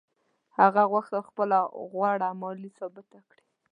هغه غوښتل خپله غوړه مالي ثابته کړي.